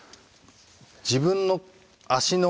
自分の足の。